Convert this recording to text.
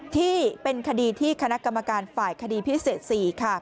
ที่เป็นคดีที่คณะกรรมการฝ่ายคดีพิเศษ๔ค่ะ